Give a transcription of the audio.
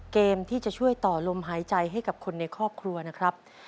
เกมที่จะช่วยต่อลมหายใจให้กับคนในครอบครัวนะครับ